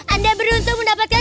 anda bernuntung mendapatkan